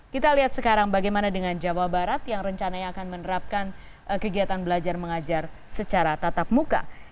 kita lihat sekarang bagaimana dengan jawa barat yang rencananya akan menerapkan kegiatan belajar mengajar secara tatap muka